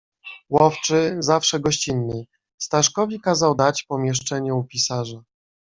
"Łowczy, zawsze gościnny, Staszkowi kazał dać pomieszczenie u pisarza."